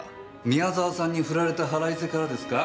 宮澤さんにふられた腹いせからですか？